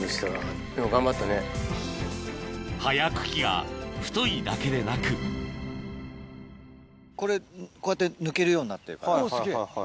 葉や茎が太いだけでなくこれこうやって抜けるようになってるから。